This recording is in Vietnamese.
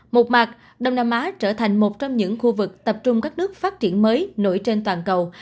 một mặt đông nam á trở thành một trong những khu vực tập trung các nước phát triển mới nổi trên toàn cầu